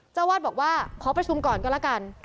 เจ้าวาดบอกว่าขอประชุมก่อนก็แล้วกัน